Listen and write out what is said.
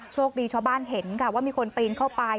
โชคดีชาวบ้านเห็นค่ะว่ามีคนปีนเข้าไป